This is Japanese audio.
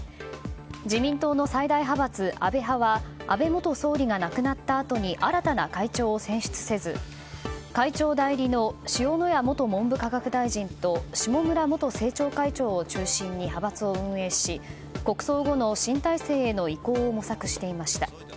自民党の最大派閥、安倍派は安倍元総理が亡くなったあとに新たな会長を選出せず会長代理の塩谷元文部科学大臣と下村元政調会長を中心に派閥を運営し国葬後の新体制への移行を模索していました。